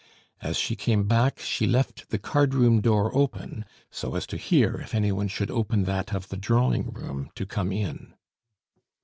As she came back she left the cardroom door open, so as to hear if any one should open that of the drawing room to come in.